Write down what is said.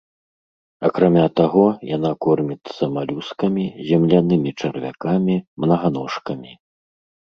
Акрамя таго, яна корміцца малюскамі, землянымі чарвякамі, мнаганожкамі.